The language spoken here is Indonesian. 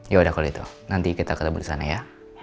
yaudah kalau gitu nanti kita ketemu di sana ya